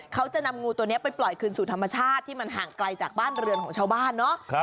เขาจะนำงูตัวนี้ไปปล่อยคืนสู่ธรรมชาติที่มันห่างไกลจากบ้านเรือนของชาวบ้านเนาะ